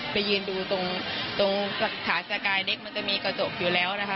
ไปยืนดูตรงฐานสกายเล็กมันจะมีกระจกอยู่แล้วนะคะ